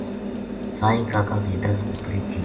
سائیں کاکا کی دس بکری تھی